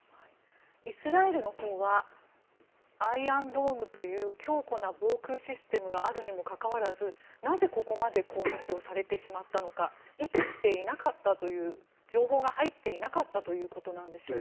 イスラエルのほうはアイアンドームという強固な防空システムがあるにもかかわらずなぜここまで攻撃をされてしまったのか意図していなかったという情報が入っていなかったということなんでしょうか。